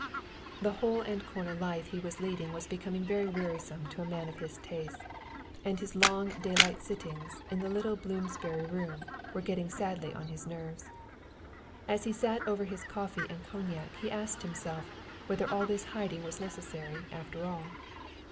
The hole and corner life he was leading was becoming very wearisome to a man of his tastes, and his long daylight sittings in the little Bloomsbury room were getting sadly on his nerves. As he sat over his coffee and cognac he asked himself whether all this hiding was necessary, after all.